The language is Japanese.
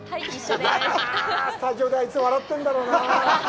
やだなあ、スタジオであいつ、笑ってるんだろうなあ。